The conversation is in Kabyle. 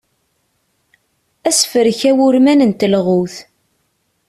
Asefrek awurman n telɣut.